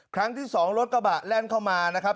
ครั้งที่๒รถกระบะแล่นเข้ามานะครับ